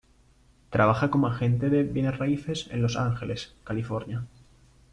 Trabaja como agente de bienes raíces en Los Ángeles, California.